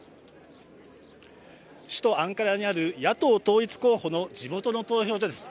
首都アンカラにある野党統一候補の地元の投票所です。